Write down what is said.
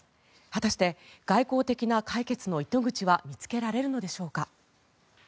果たして、外交的な解決の糸口は見つけられるのでしょうか。